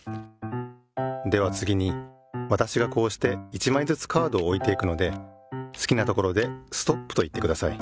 ではつぎにわたしがこうして１まいずつカードをおいていくのですきなところで「ストップ」といってください。